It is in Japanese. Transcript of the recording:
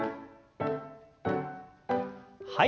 はい。